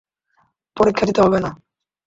পরীক্ষা দিতে হবে না।